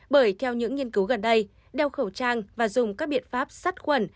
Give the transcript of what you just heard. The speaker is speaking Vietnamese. bởi theo những nghiên cứu gần đây đeo khẩu trang và dùng các biện pháp sắt quần